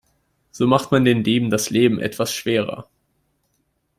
So macht man den Dieben das Leben etwas schwerer.